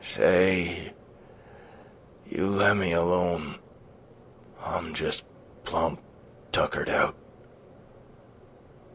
"Say, you lemme alone. ... I'm jes' plump tuckered out.